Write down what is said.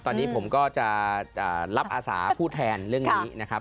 ตอนนี้ผมก็จะรับอาสาผู้แทนเรื่องนี้นะครับ